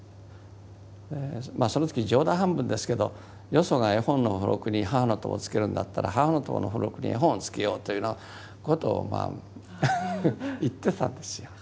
その時冗談半分ですけどよそが絵本の付録に「母の友」付けるんだったら「母の友」の付録に絵本を付けようというようなことを言ってたんですよ。